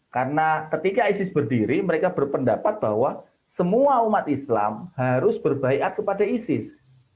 karena ketika isis berdiri mereka berpendapat bahwa semua umat islam harus berbaikat kepada isis